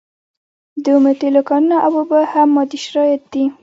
د اومو تیلو کانونه او اوبه هم مادي شرایط دي.